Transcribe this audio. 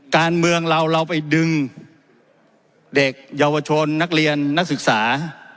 การเมืองเราเราไปดึงเด็กเยาวชนนักเรียนนักศึกษา